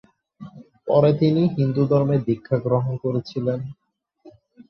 পরে তিনি হিন্দু ধর্মে দীক্ষা গ্রহণ করেছিলেন।